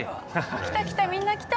来た来たみんな来た。